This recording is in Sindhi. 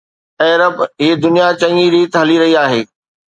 اي رب، هي دنيا چڱي ريت هلي رهي آهي